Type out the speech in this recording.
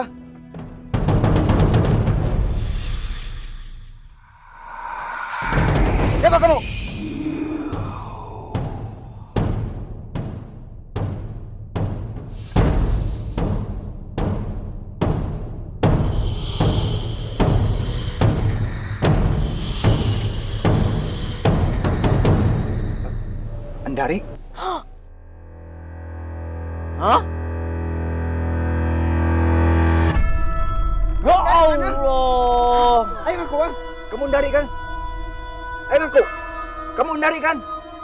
hai roh roh ayo kemudarikan ayo kemudarikan